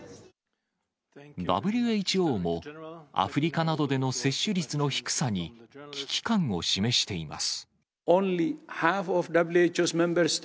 ＷＨＯもアフリカなどでの接種率の低さに、危機感を示しています。